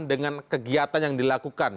dengan kegiatan yang dilakukan